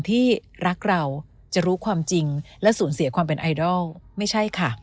ที่รักเราจะรู้ความจริงและสูญเสียความเป็นไอดอลไม่ใช่ค่ะ